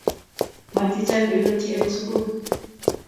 Maticham iletyi eng' sukul